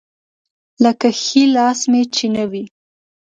لکه ښی لاس مې چې نه وي.